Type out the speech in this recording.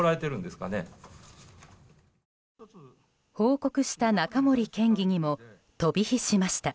報告した中森県議にも飛び火しました。